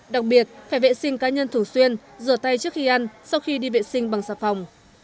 đặc biệt phải vệ sinh cá nhân thường xuyên rửa tay trước khi ăn sau khi đi vệ sinh bằng xà phòng